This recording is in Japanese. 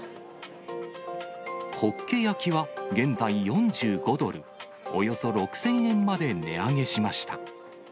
ほっけ焼きは現在４５ドル、およそ６０００円まで値上げしました。